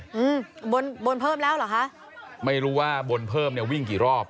อืมบนบนเพิ่มแล้วเหรอคะไม่รู้ว่าบนเพิ่มเนี้ยวิ่งกี่รอบ